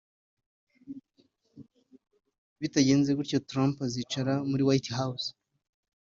Bitagenze gutyo Trump azicara muri White House